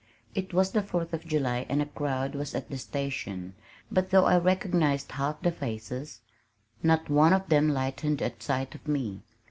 It was the fourth of July and a crowd was at the station, but though I recognized half the faces, not one of them lightened at sight of me.